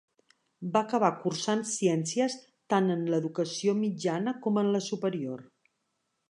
Va acabar cursant ciències tant en l'educació mitjana com en la superior.